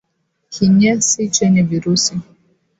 kinyesi chenye virusi